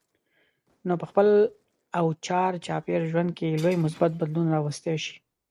نو په خپل او چار چاپېره ژوند کې لوی مثبت بدلون راوستی شئ.